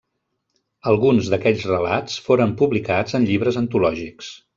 Alguns d'aquells relats foren publicats en llibres antològics.